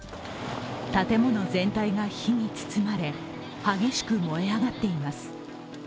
建物全体が火に包まれ激しく燃え上がっています。